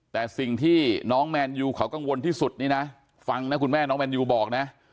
แต่สิ่งที่น้องแมนยูเขากังวลที่สุดนี่นะฟังนะคุณแม่น้องแมนยูบอกนะ